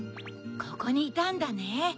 ここにいたんだね。